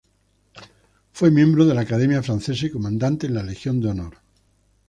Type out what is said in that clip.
Fue miembro de la Academia Francesa y comandante en la Legión de Honor.